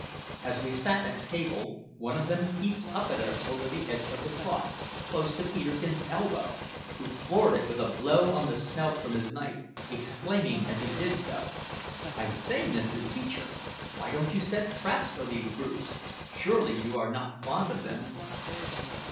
As we sat at table, one of them peeped up at us over the edge of the cloth, close to Peterkin's elbow, who floored it with a blow on the snout from his knife, exclaiming as he did so: "I say, Mister Teacher, why don't you set traps for these brutes? Surely you are not fond of them!"